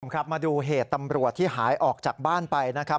ครับมาดูเหตุตำรวจที่หายออกจากบ้านไปนะครับ